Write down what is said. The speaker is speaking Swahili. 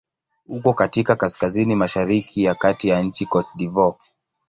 Uko katika kaskazini-mashariki ya kati ya nchi Cote d'Ivoire.